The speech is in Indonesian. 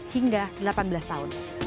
hingga lima belas tahun